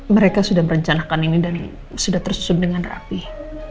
mereka sudah merencanakan ini dan sudah tersusun dengan rapih